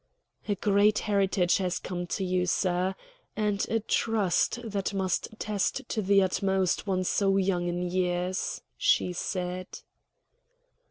"A great heritage has come to you, sir, and a trust that must test to the utmost one so young in years," she said.